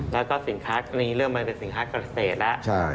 แล้วก็สินค้านี้เริ่มมาเป็นสินค้ากระเศษแล้ว